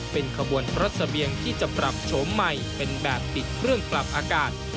เป็นขบวนรถเสบียงที่จะปรับโฉมใหม่เป็นแบบปิดเครื่องปรับอากาศ